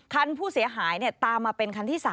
คันผู้เสียหายตามมาเป็นคันที่๓